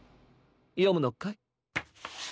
よむのかい？